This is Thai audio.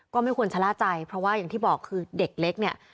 ก็ไม่ควรชะล่าใจเพราะว่าอย่างที่บอกคือเด็กเล็กเนี่ย